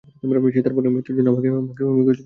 সে তার বোনের মৃত্যুর জন্য আমাকে জ্বালাতন করছে।